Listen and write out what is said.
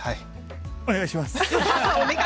お願いします。